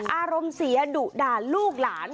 อารมณ์เสียดุด่าลูกหลาน